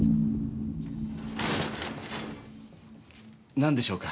なんでしょうか？